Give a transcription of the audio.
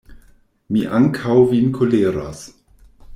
Mi ankaŭ vin koleros.